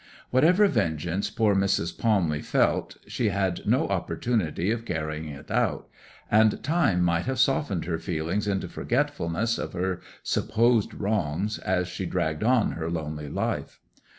Whatever vengeance poor Mrs. Palmley felt, she had no opportunity of carrying it out, and time might have softened her feelings into forgetfulness of her supposed wrongs as she dragged on her lonely life.